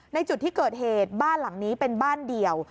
ในจุดที่เกิดเหตุบ้านหลังนี้เป็นบ้านเดี่ยว